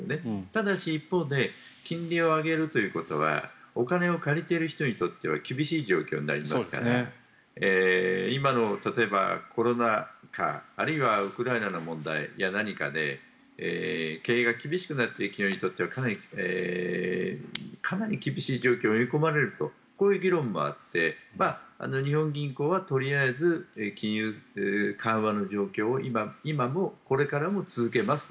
ただし、一方で金利を上げるということはお金を借りている人にとっては厳しい状況になりますから今の、例えばコロナ禍あるいはウクライナの問題や何かで経営が厳しくなった人にとってはかなり厳しい状況に追い込まれるとこういう議論もあって日本銀行はとりあえず金融緩和の状況を今もこれからも続けます